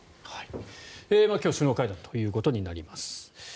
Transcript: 今日首脳会談ということになります。